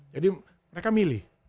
jadi mereka milih